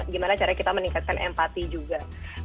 gimana cara kita meningkatkan empati juga